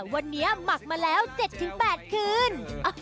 วันนี้หมักมาแล้ว๗๘คืน